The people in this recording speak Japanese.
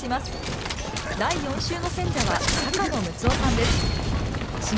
第４週の選者は高野ムツオさんです。